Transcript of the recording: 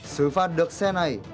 sử phạt được xe này